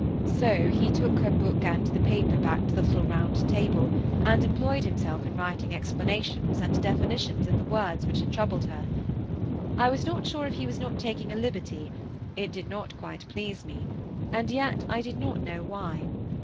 So he took her book and the paper back to the little round table, and employed himself in writing explanations and definitions of the words which had troubled her. I was not sure if he was not taking a liberty: it did not quite please me, and yet I did not know why.